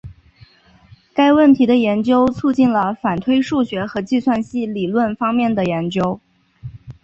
该问题的研究促进了反推数学和计算性理论方面的研究。